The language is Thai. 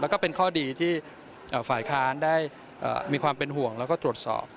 แล้วก็เป็นข้อดีที่ฝ่ายค้านได้มีความเป็นห่วงแล้วก็ตรวจสอบ